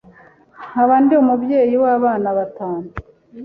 nkaba ndi umubyeyi w’abana batanu,